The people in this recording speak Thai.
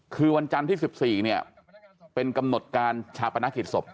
คือวันจันทร์ที่๑๔เนี่ยเป็นกำหนดการชาปนกิจศพ